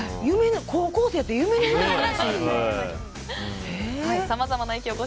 高校生やったら夢のような話。